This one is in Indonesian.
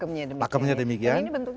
memang pakemnya demikian